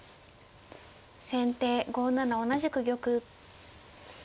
先手５七同じく玉。